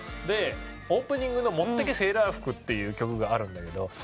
でオープニングの『もってけ！セーラーふく』って曲があるんだけど。